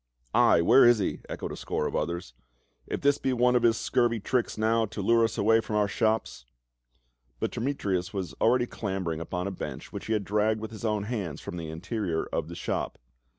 " Ay, where is he ?" echoed a score of others. " If this be one of his scurvy tricks now, to lure us away from our shops —" But Demetrius was already clambering upon a bench, which he had dragged with his own hands from the interior of the shop.